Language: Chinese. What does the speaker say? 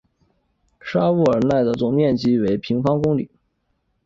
沙沃尔奈的总面积为平方公里。